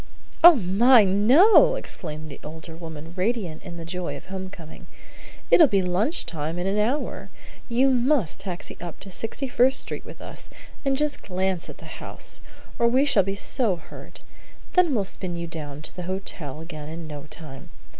"Oh, my, no!" exclaimed the older woman, radiant in the joy of home coming. "It'll be lunch time in an hour. You must taxi up to Sixty first Street with us, and just glance at the house, or we shall be so hurt. Then we'll spin you down to the hotel again in no time.